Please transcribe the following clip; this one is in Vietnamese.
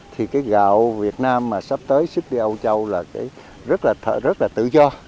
thì cái gạo việt nam mà sắp tới xuất đi âu châu là rất là tự do